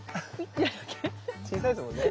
小さいですもんね。